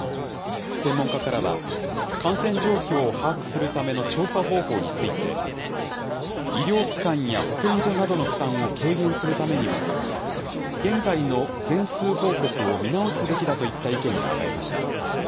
専門家からは、感染状況を把握するための調査方法について、医療機関や保健所などの負担を軽減するためにも、現在の全数報告を見直すべきだといった意見が挙がりました。